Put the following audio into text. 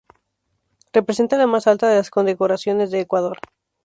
Representa la más alta de las Condecoraciones de Ecuador.